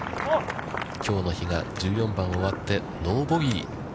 きょうの比嘉、１４番を終わってノーボギー。